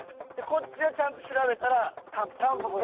こっちはちゃんと調べたらタンポポ。